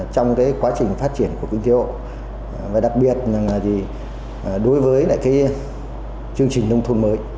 trong quá trình phát triển của kinh tế xã hội đặc biệt đối với chương trình nông thôn mới